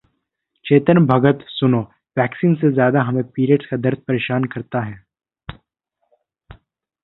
चेतन भगत सुनो, waxing से ज्यादा हमें periods का दर्द परेशान करता है...